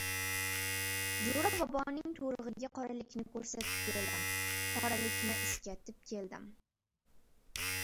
Jo‘ra boboning to‘rig‘iga qoralikni ko‘rsatib keldim, qoralikni iskatib keldim.